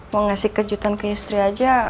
mau ngasih kejutan ke istri aja